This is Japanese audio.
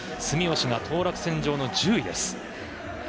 住吉が当落線上の１０位です。